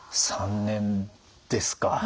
３年ですか。